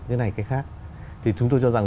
cái này cái khác thì chúng tôi cho rằng